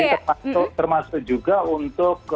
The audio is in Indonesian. jadi termasuk juga untuk fasilitas